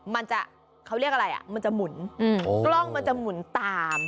มันจะเขาเรียกอะไรอ่ะมันจะหมุนกล้องมันจะหมุนตาม